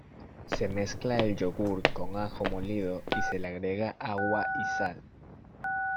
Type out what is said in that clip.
Se mezcla el yogur con ajo molido y se le agrega agua y sal.